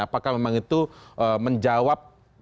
apakah memang itu menjawab